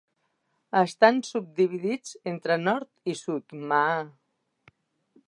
Estan subdividits entre Nord i Sud Maa.